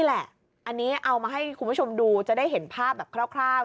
อันนี้เอามาให้คุณผู้ชมดูจะได้เห็นภาพแบบคร่าว